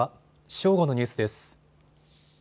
正午のニュースです。